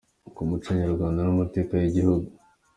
ku muco Nyarwanda n’amateka y’igihugu